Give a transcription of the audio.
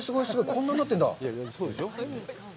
こんなんなってるんだ。